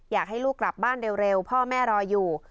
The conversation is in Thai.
อยากให้ลูกกลับบ้านเร็วพ่อแม่รออยู่